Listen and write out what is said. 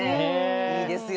いいですよね。